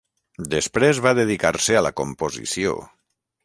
Després va dedicar-se a la composició.